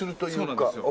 そうなんですよ。